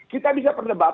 kita bisa perdebatkan